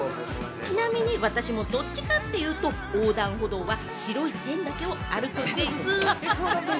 ちなみに私もどっちかって言うと横断歩道は白い線だけを歩くんでぃす！